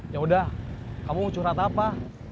yaudah kamu curhat apa